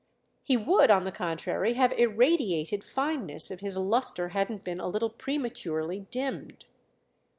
He would on the contrary have irradiated fineness if his lustre hadn't been a little prematurely dimmed.